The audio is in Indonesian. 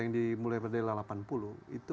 yang dimulai pada delapan puluh itu